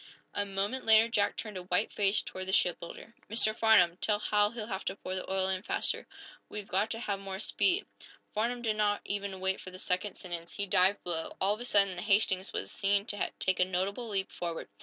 A moment later Jack turned a white face toward the shipbuilder. "Mr. Farnum, tell Hal he'll have to pour the oil in faster. We've got to have more speed." Farnum did not even wait for the second sentence. He dived below. All of a sudden the "Hastings" was seen to take a notable leap forward.